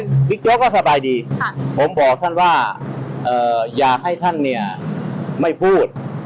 บิ๊กโจ๊กก็สบายดีผมบอกท่านว่าอยากให้ท่านเนี่ยไม่พูด